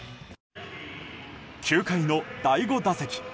９回の第５打席。